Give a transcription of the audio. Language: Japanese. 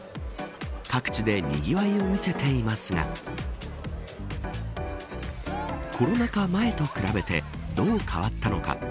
各地でにぎわいを見せていますがコロナ禍前と比べてどう変わったのか。